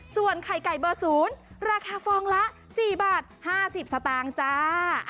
ส่วนไข่ไก่เบอร์๐ราคาฟองละ๔บาท๕๐สตางค์จ้า